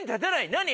何？